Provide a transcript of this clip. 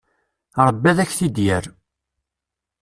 Rebbi ad ak-t-id-yerr.